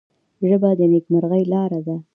ژبه د نیکمرغۍ لاره ده